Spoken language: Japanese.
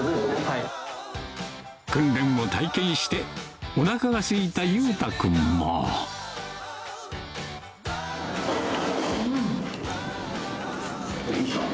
訓練を体験してお腹がすいた裕太君もうん！